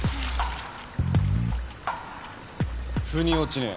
ふに落ちねえ。